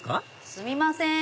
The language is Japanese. すみません！